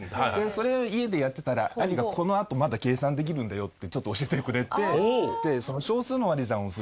それを家でやってたら兄が「このあとまだ計算できるんだよ」ってちょっと教えてくれて。